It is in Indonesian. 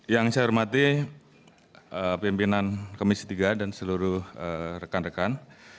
yang saya hormati pimpinan komisi tiga dan seluruh rekan rekan